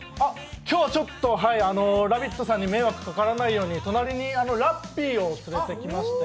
今日はちょっと、「ラヴィット！」さんに迷惑かからないように隣にラッピーを連れてきまして。